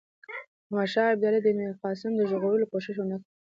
احمدشاه ابدالي د میرقاسم د ژغورلو کوښښ ونه کړ.